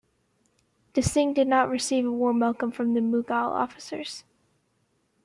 Desingh did not receive a warm welcome from the Mughal officers.